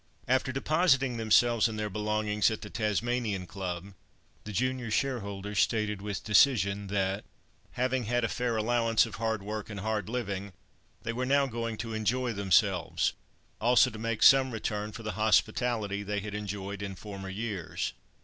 After depositing themselves and their belongings at the Tasmanian Club, the junior shareholders stated with decision that, having had a fair allowance of hard work and hard living, they were now going to enjoy themselves; also to make some return for the hospitality they had enjoyed in former years.